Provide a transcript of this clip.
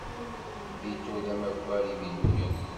Vito d amakar iviluyen.